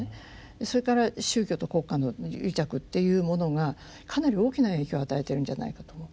それから宗教と国家の癒着っていうものがかなり大きな影響を与えているんじゃないかと思う。